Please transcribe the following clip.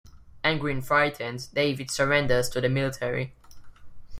Angry and frightened, David surrenders to the military.